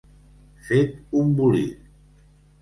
Fet un bolic.